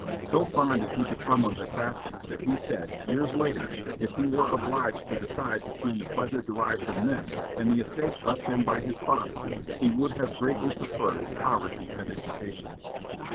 So fond did he become of the classics that he said, years later, if he were obliged to decide between the pleasure derived from them and the estate left him by his father, he would have greatly preferred poverty and education.